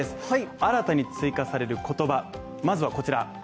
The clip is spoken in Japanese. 新たに追加される言葉、まずはこちら。